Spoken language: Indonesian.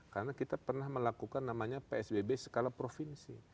karena kita pernah melakukan namanya psbb skala provinsi